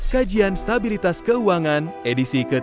kajian stabilitas keuangan edisi ke tiga puluh dua ribu dua puluh satu